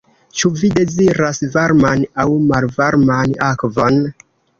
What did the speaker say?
Ĉu vi deziras varman aŭ malvarman akvon?